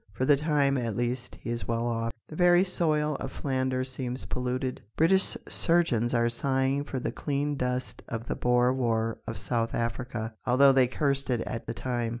For the time, at least, he is well off. The very soil of Flanders seems polluted. British surgeons are sighing for the clean dust of the Boer war of South Africa, although they cursed it at the time.